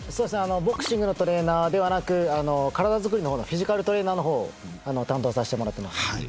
ボクシングのトレーナーではなく体づくりの方のフィジカルトレーナーの方を担当しています。